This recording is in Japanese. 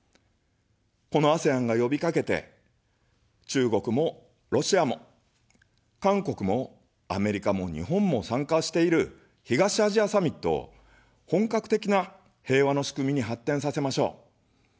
このＡＳＥＡＮがよびかけて、中国もロシアも韓国もアメリカも日本も参加している、東アジアサミットを本格的な平和の仕組みに発展させましょう。